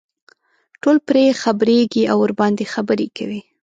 ټول پرې خبرېږي او ورباندې خبرې کوي.